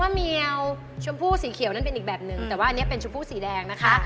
อันนั้นเป็นอีกแบบนึงแต่ว่าอันนี้เป็นชูปุ้กสีแดงนะคะ